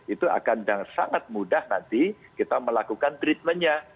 itu akan sangat mudah nanti kita melakukan treatmentnya